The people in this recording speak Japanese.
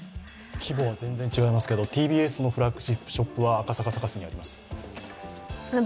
規模が全然違いますけど、ＴＢＳのフラッグシップショップは赤坂サカスにあります。